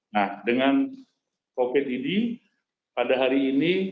nah dengan covid ini pada hari ini